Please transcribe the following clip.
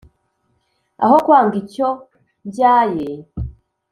aho kwanga icyo mbyaye!